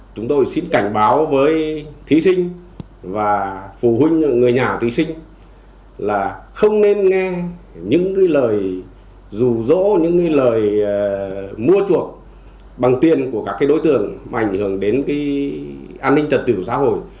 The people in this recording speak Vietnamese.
chúng tôi xin cảnh báo với thí sinh và phụ huynh người nhà thí sinh là không nên nghe những lời rủ rỗ những lời mua chuộc bằng tiền của các đối tượng mà ảnh hưởng đến an ninh trật tự xã hội